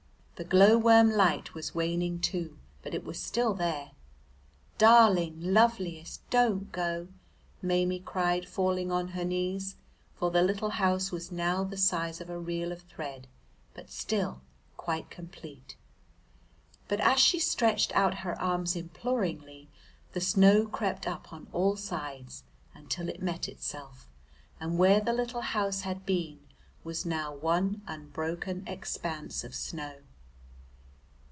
The glow worm light was waning too, but it was still there. "Darling, loveliest, don't go!" Maimie cried, falling on her knees, for the little house was now the size of a reel of thread, but still quite complete. But as she stretched out her arms imploringly the snow crept up on all sides until it met itself, and where the little house had been was now one unbroken expanse of snow.